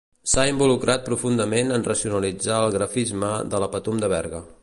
S'ha involucrat profundament en racionalitzar el grafisme de La Patum de Berga.